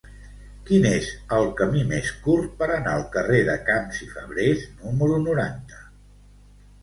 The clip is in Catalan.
Quin és el camí més curt per anar al carrer de Camps i Fabrés número noranta?